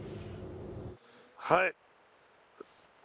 はい。